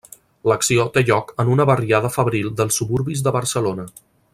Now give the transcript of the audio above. L'acció té lloc en una barriada fabril dels suburbis de Barcelona.